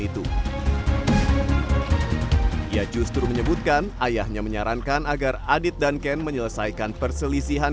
itu ia justru menyebutkan ayahnya menyarankan agar adit dan ken menyelesaikan perselisihan